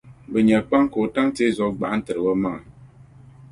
bɛ nya kpaŋ ka o tam tii zuɣu gbaɣitir’ omaŋa.